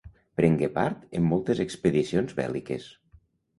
Prengué part en moltes expedicions bèl·liques.